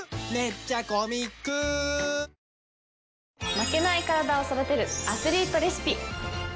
負けないカラダを育てるアスリートレシピ。